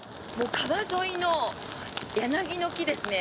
川沿いの柳の木ですね。